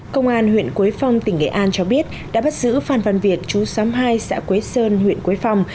công an huyện quế phong tỉnh nghệ an cho biết đã bắt giữ phan văn việt chú xóm hai xã quế sơn huyện quế phong